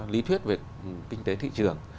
lý thuyết về kinh tế thị trường